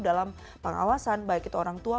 dalam pengawasan baik itu orang tua